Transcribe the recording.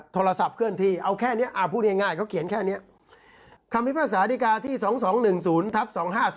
โทรศัพท์เคลื่อนที่เอาแค่นี้พูดง่ายเขาเขียนแค่นี้คำพิพากษาดีกาที่๒๒๑๐ทับ๒๕๔